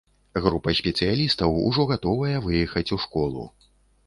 Група спецыялістаў ўжо гатовая выехаць у школу.